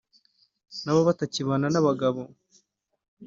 nabo batakibana n’abagabo